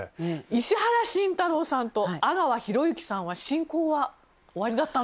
石原慎太郎さんと阿川弘之さんは親交はおありだったんでしょうか？